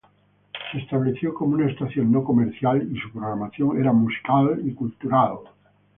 Se estableció como una estación no comercial y su programación era musical y cultural.